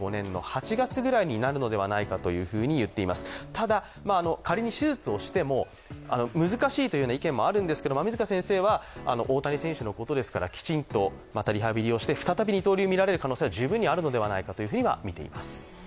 ただ、仮に手術をしても難しいというような意見もあるんですが、馬見塚先生は大谷選手のことですからきちんと、またリハビリをして再び、二刀流を見られる可能性は十分あるのではないかというふうに見ています。